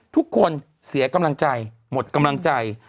ทุกคนเสียกำลังใจหมดกำลังใจ